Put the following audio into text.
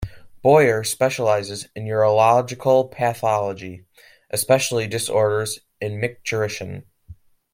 Boyer specialized in urological pathology, especially disorders of micturition.